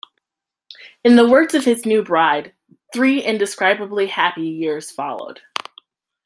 In the words of his new bride "three indescribably happy years" followed.